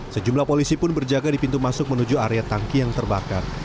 sejumlah polisi pun berjaga di pintu masuk menuju area tangki yang terbakar